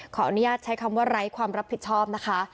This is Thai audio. ขออนุญาตใช้คำว่าไร้ความรับผิดชอบนะคะ